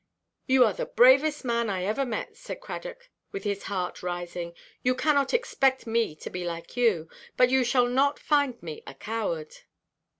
"You are the bravest man I ever met," said Cradock, with his heart rising; "you cannot expect me to be like you. But you shall not find me a coward."